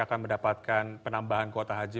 akan mendapatkan penambahan kuota haji